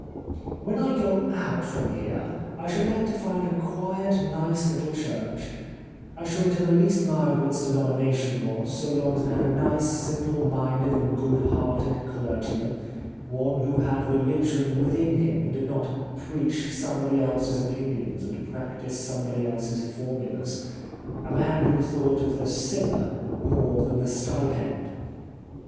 "* When I go out from here I should like to find a quiet, nice little Church, I shouldn't in the least mind what its denomination was so long as it had a nice, simple minded and good hearted clergyman, one who had religion within himself and did not preach somebody else's opinions and practise somebody else's formulas, a man who thought of the sinner more than the stipend.